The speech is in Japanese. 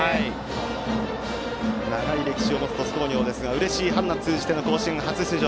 長い歴史を持つ鳥栖工業ですがうれしい春夏通じて甲子園初出場。